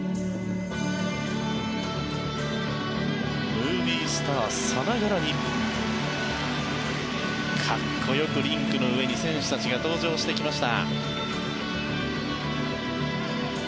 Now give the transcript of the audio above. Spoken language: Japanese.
ムービースターさながらにかっこよくリンクの上に選手たちが登場してきました。